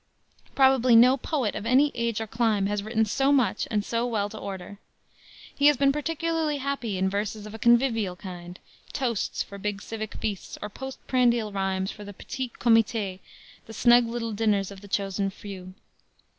Probably no poet of any age or clime has written so much and so well to order. He has been particularly happy in verses of a convivial kind, toasts for big civic feasts, or post prandial rhymes for the petit comité the snug little dinners of the chosen few.